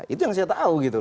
itu yang saya tahu gitu